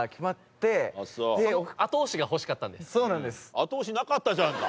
後押しなかったじゃんか。